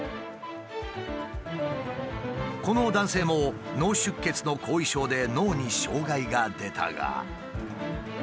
この男性も脳出血の後遺症で脳に障害が出たが。